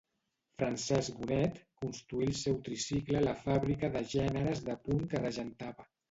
Francesc Bonet construí el seu tricicle a la fàbrica de gèneres de punt que regentava.